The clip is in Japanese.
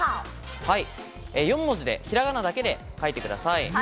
４文字でひらがなだけで書いてください。